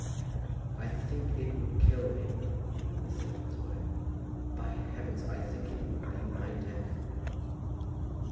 "I think it would kill me," he had said to his wife; "by heavens, I think it would be my death!"